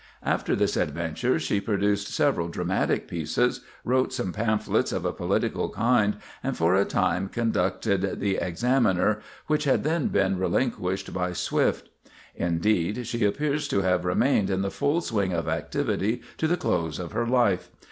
After this adventure, she produced several dramatic pieces, wrote some pamphlets of a political kind, and for a time conducted "The Examiner," which had then been relinquished by Swift. Indeed, she appears to have remained in the full swing of activity to the close of her life.